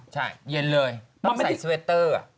ใช่เย็นเลยต้องใส่สเวตเตอร์